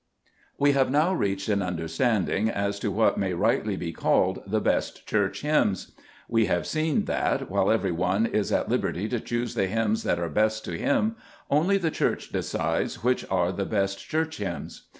We have now reached an understanding as to what may rightly be called "The best Church hymns." We have seen that, while every one is at liberty to choose the hymns that are best to him,, only the Church decides which are the best Church hymns.